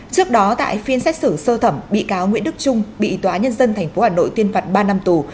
trước đó tại phiên xét xử sơ thẩm bị cáo nguyễn đức trung bị tòa nhân dân tp hà nội tuyên phạt ba năm tù